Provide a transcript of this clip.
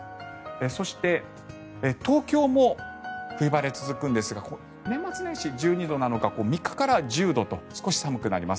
そして、東京も冬晴れ続くんですが年末年始、１２度なのが３日からは１０度と少し寒くなります。